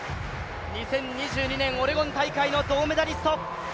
２０２２年オレゴン大会の銅メダリスト。